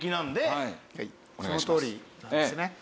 そのとおりなんですね。